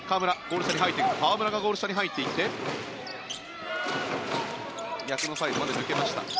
河村がゴール下に入っていって逆のサイドまで抜けました。